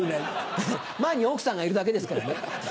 前に奥さんがいるだけですからね。